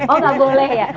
oh nggak boleh ya